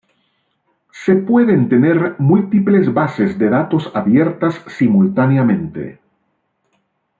Se pueden tener múltiples bases de datos abiertas simultáneamente.